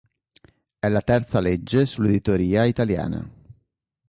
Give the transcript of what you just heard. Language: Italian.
È la terza legge sull'editoria italiana.